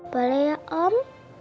boleh ya om